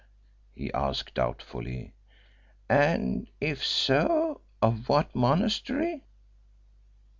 he asked doubtfully, "and if so, of what monastery?"